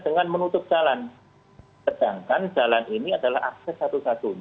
seperti yang kita lakukan